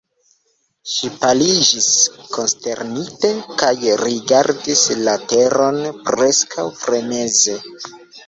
Ŝi paliĝis, konsternite, kaj rigardis la teron preskaŭ freneze.